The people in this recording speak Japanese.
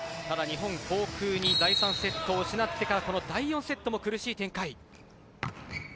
ただ、日本航空に第３セットを失ってから第４セットの苦しい展開。